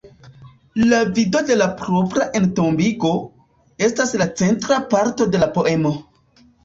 La vido de la propra entombigo, estas la centra parto de la poemo.